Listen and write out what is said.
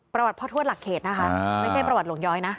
ประวัติพ่อทวดหลักเขตนะคะไม่ใช่ประวัติหลวงย้อยนะ